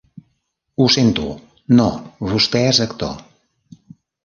I sento: "No, vostè és actor".